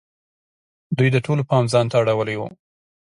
دوی د ټولو پام ځان ته اړولی وو.